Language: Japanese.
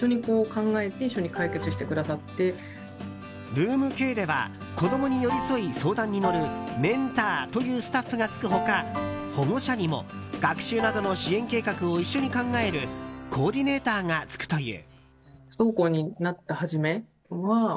ｒｏｏｍ‐Ｋでは子供に寄り添い相談に乗るメンターというスタッフがつく他保護者にも、学習などの支援計画を一緒に考えるコーディネーターがつくという。